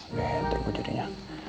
oke tergoda jadinya